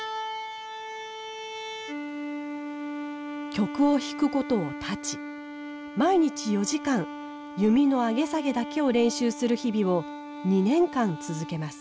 曲を弾くことを断ち毎日４時間弓の上げ下げだけを練習する日々を２年間続けます。